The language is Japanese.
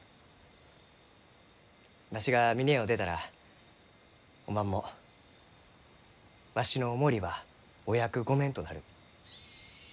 わしが峰屋を出たらおまんもわしのお守りはお役御免となる。